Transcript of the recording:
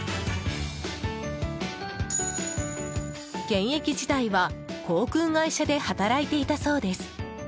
現役時代は航空会社で働いていたそうです。